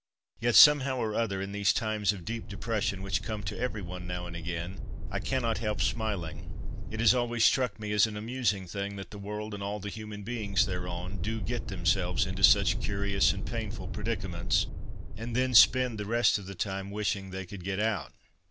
Yet, somehow or other, in these times of deep depression which come to every one now and again, I cannot help smiling. It has always struck me as an amusing thing that the world, and all the human beings thereon, do get themselves into such curious and painful predicaments, and then spend the rest of the time wishing they could get out.